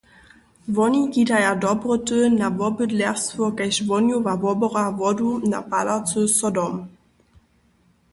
Woni kidaja dobroty na wobydlerstwo kaž wohnjowa wobora wodu na palacy so dom.